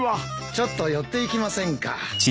ちょっと寄っていきませんか？